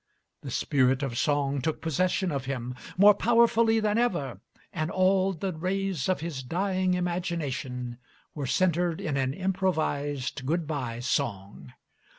The spirit of song took possession of him, more powerfully than ever, and all the rays of his dying imagination were centred in an improvised good by song.